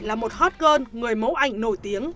là một hot girl người mẫu ảnh nổi tiếng